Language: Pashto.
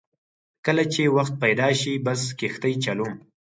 کله چې وخت پیدا شي بس کښتۍ چلوم.